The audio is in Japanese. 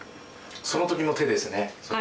その時の手ですねそれが。